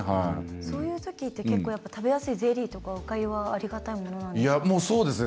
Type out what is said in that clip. そういうときって食べやすいゼリーとかおかゆってありがたいものですか。